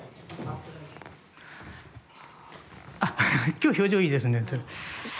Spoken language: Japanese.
今日表情いいですね。